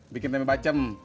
bikin tempe pacem